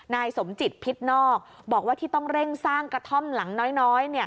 นายสมจิตพิษนอกบอกว่าที่ต้องเร่งสร้างกระท่อมหลังน้อย